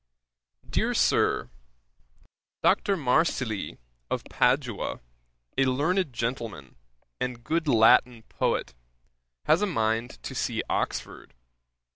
'DEAR SIR, 'Dr. Marsili of Padua, a learned gentleman, and good Latin poet, has a mind to see Oxford.